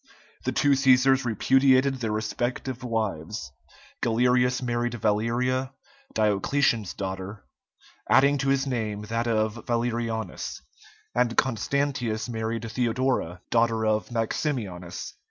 The two Cæsars repudiated their respective wives; Galerius married Valeria, Diocletian's daughter, adding to his name that of Valerianus; and Constantius married Theodora, daughter of Maximianus.